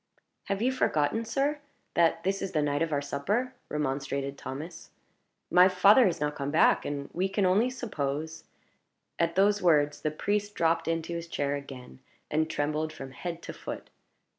"Have you forgotten, sir, that this is the night of our supper?" remonstrated Thomas. "My father has not come back, and we can only suppose " At those words the priest dropped into his chair again, and trembled from head to foot.